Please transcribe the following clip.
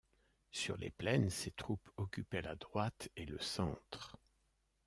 Sur les Plaines, ses troupes occupaient la droite et le centre.